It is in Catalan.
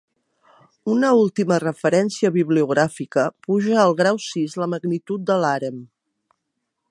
Una última referència bibliogràfica puja al grau sis la magnitud de l'harem.